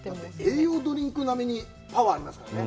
栄養ドリンク並にパワーありますからね。